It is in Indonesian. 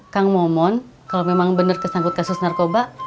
kang momon kalau memang benar kesangkut kasus narkoba